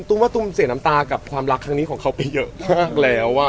ต๒๐๐๖ว่าตุ๋มเสียน้ำตากับความรักทองนี้ของเขาเป็นเยอะมากแล้วอ่ะ